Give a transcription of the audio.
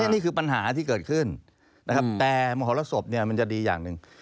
นี่คือปัญหาที่เกิดขึ้นนะครับแต่มหรสบมันจะดีอย่างหนึ่ง